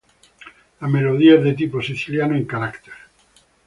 La melodía es de tipo siciliano en carácter.